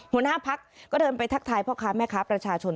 หัวหน้าพักก็เดินไปทักทายพ่อค้าแม่ค้าประชาชน